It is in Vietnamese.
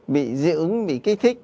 bị dị ứng bị kích thích